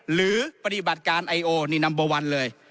หรือปฏิบัติการไอโอนี่นัมเบอร์วันเลย